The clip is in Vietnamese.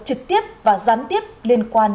trực tiếp và gián tiếp liên quan